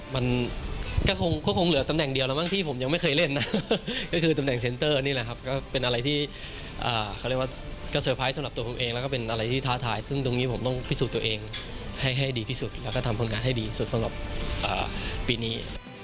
มันก็คงเหลือตำแหน่งเดียวแล้วมั้งที่ผมยังไม่เคยเล่นนะก็คือตำแหน่งเซ็นเตอร์นี่แหละครับก็เป็นอะไรที่เขาเรียกว่าก็เตอร์ไพรส์สำหรับตัวผมเองแล้วก็เป็นอะไรที่ท้าทายซึ่งตรงนี้ผมต้องพิสูจน์ตัวเองให้ดีที่สุดแล้วก็ทำผลงานให้ดีสุดสำหรับปีนี้